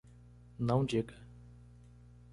Não diga